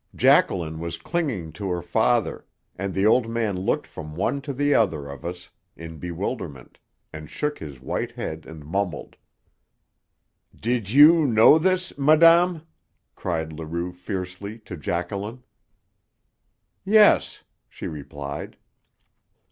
Jacqueline was clinging to her father, and the old man looked from one to the other of us in bewilderment, and shook his white head and mumbled. "Did you know this, madame?" cried Leroux fiercely to Jacqueline. "Yes," she replied.